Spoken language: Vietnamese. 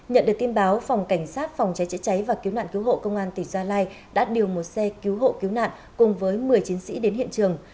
nhận được tin báo phòng cảnh sát phòng cháy chữa cháy và cứu nạn cứu hộ công an tỉnh gia lai đã điều một xe cứu hộ cứu nạn cùng với một mươi chiến sĩ đến hiện trường